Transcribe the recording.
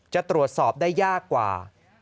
จะตรวจสอบได้ยากกว่า